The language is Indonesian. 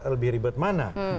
lebih ribet mana